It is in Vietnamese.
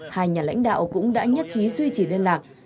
hai nhà lãnh đạo cũng đã nhất trí duy trì liên lạc